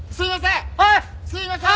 すいません！